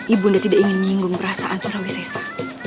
ibu nda tidak ingin menyinggung perasaan surawi sesa